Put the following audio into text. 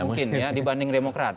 mungkin ya dibanding demokrat